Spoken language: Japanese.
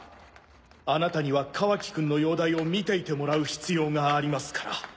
あなたにはカワキくんの容体を見ていてもらう必要がありますから。